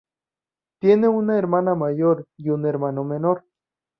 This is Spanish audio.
Tiene una hermana mayor y un hermano menor.